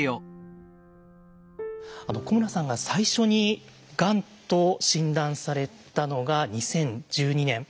古村さんが最初にがんと診断されたのが２０１２年。